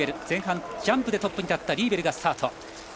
前半ジャンプでトップに立ったリーベル、スタート。